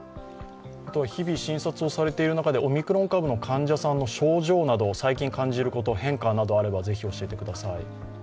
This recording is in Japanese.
日々診察をされている中で、オミクロン株の患者さんの症状など、最近感じること変化などあればぜひ教えてください。